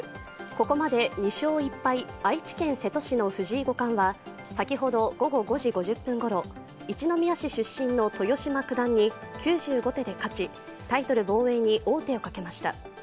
ここまで２勝１敗、愛知県瀬戸市の藤井五冠は先ほど午後５時５０分ごろ一宮市出身の豊島九段に９５手で勝ち、タイトル防衛に王手をかけました。